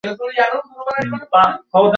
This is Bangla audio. কস্তাই হলো এশার - কি বললেন?